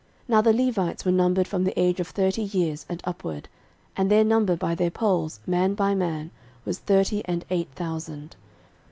13:023:003 Now the Levites were numbered from the age of thirty years and upward: and their number by their polls, man by man, was thirty and eight thousand.